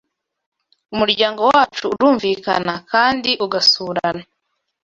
Umuryango wacu urumvikana kdi ugasurana